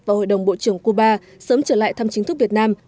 và hội đồng bộ trưởng cuba sớm trở lại thăm chính thức việt nam